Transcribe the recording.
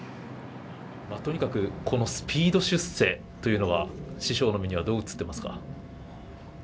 とにかくスピード出世というのは師匠の目にはどう映っていますか。